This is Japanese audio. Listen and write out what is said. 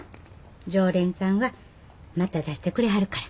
常連さんはまた出してくれはるから。